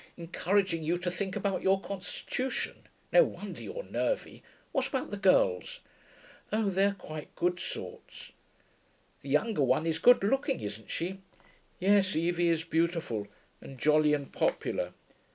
'Encouraging you to think about your constitution. No wonder you're nervy. What about the girls?' 'Oh ... they're quite good sorts.' 'The younger one is good looking, isn't she?' 'Yes. Evie is beautiful. And jolly, and popular.